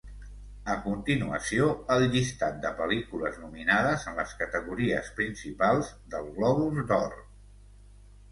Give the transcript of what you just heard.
A continuació, el llistat de pel·lícules nominades en les categories principals del Globus d'Or.